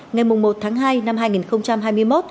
ngày một tháng hai năm hai nghìn hai mươi một